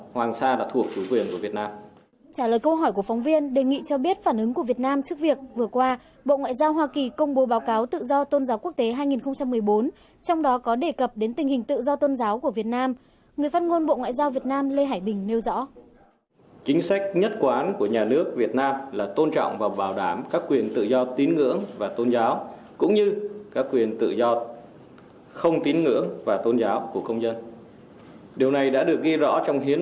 hãy nhớ like share và đăng ký kênh của chúng mình nhé